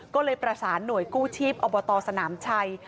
ก็เลยประสานหน่วยกู้ชีพอบตสนามชัย